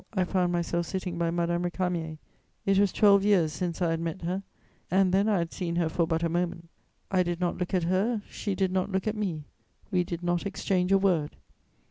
I found myself sitting by Madame Récamier. It was twelve years since I had met her, and then I had seen her for but a moment. I did not look at her, she did not look at me: we did not exchange a word.